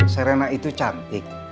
serena itu cantik